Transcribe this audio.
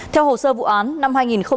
theo hồ sơ vụ án năm hai nghìn một mươi chín